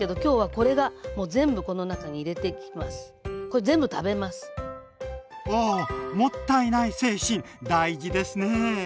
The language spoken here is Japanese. もったいない精神大事ですね。